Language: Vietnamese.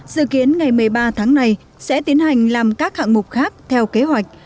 dự kiến ngày một mươi ba tháng này sẽ tiến hành làm các hạng mục khác theo kế hoạch